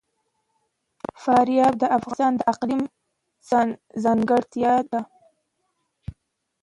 فاریاب د افغانستان د اقلیم ځانګړتیا ده.